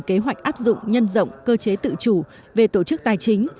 kế hoạch áp dụng nhân rộng cơ chế tự chủ về tổ chức tài chính